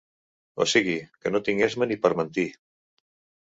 O sigui que no tinc esma ni per mentir.